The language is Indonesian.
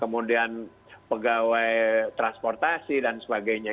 kemudian pegawai transportasi dan sebagainya